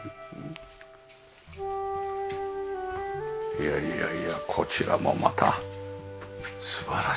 いやいやいやこちらもまた素晴らしいですね。